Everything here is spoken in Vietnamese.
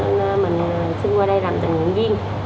nên mình xin qua đây làm tình nguyện viên